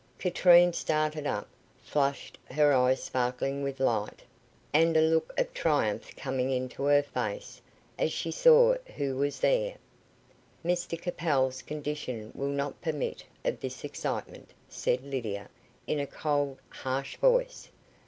Katrine started up, flushed, her eyes sparkling with light, and a look of triumph coming into her face, as she saw who was there. "Mr Capel's condition will not permit of this excitement," said Lydia, in a cold, harsh voice.